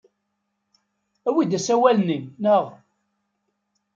Awi-d asawal-nni, naɣ?